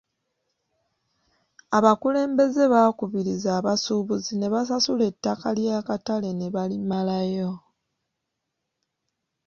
Abakulembeze baakubiriza abasuubuzi ne basasula ettaka ly'akatale ne balimalayo.